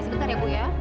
sebentar ya bu ya